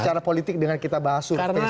secara politik dengan kita bahas sekarang itu